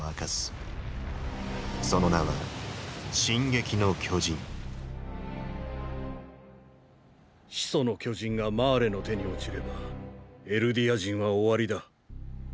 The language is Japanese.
その名は「進撃の巨人」ーー「始祖の巨人」がマーレの手に落ちればエルディア人は終わりだ。